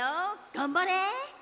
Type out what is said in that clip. がんばれ！